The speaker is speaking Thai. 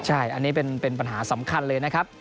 ใช่อันนี้เป็นปัญหาสำคัญเลยนะครับ